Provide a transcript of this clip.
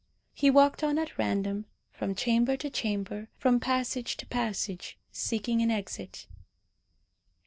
He walked on at random, from chamber to chamber, from passage to passage, seeking an exit.